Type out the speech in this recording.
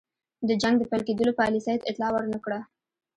د جنګ د پیل کېدلو پالیسۍ اطلاع ور نه کړه.